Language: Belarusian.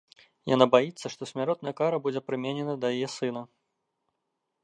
Яна баіцца, што смяротная кара будзе прыменена да яе сына.